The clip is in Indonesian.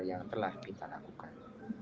yang telah kita lakukan